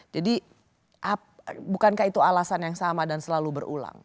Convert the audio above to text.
jadi bukankah itu alasan yang sama dan selalu berulang